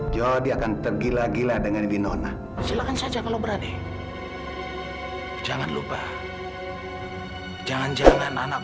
jadi akan tergila gila dengan winona silahkan saja kalau berani jangan lupa jangan jangan anak